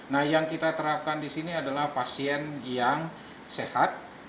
nah yang kita terapkan di sini adalah pasien yang sehat